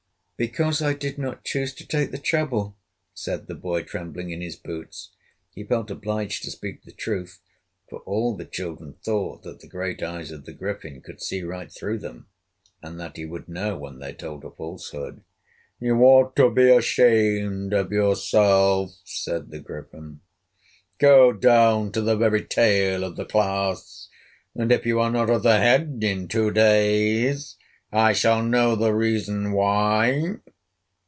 "Because I did not choose to take the trouble," said the boy, trembling in his boots. He felt obliged to speak the truth, for all the children thought that the great eyes of the Griffin could see right through them, and that he would know when they told a falsehood. "You ought to be ashamed of yourself," said the Griffin. "Go down to the very tail of the class, and if you are not at the head in two days, I shall know the reason why."